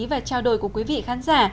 và trao đổi của quý vị khán giả